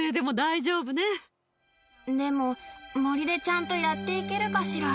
でも森でちゃんとやっていけるかしら？